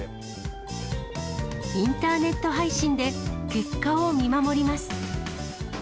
インターネット配信で、結果を見守ります。